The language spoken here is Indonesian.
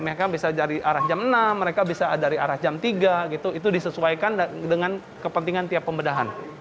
mereka bisa dari arah jam enam mereka bisa dari arah jam tiga gitu itu disesuaikan dengan kepentingan tiap pembedahan